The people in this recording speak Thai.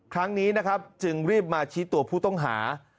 ครั้งนี้นะครับจึงรีบมาชี้ตัวผู้ต้องหา